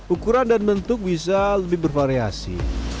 ukuran dan bentuk bisa lebih bervariasi